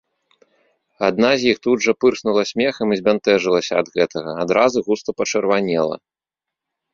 Адна з іх тут жа пырснула смехам і збянтэжылася ад гэтага, адразу густа пачырванела.